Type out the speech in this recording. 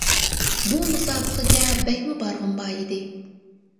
بۇ مۇسابىقىگە بەكمۇ بارغۇم بار ئىدى.